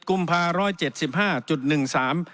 ๗กุมภาคม